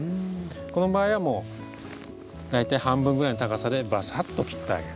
この場合はもう大体半分ぐらいの高さでバサッと切ってあげる。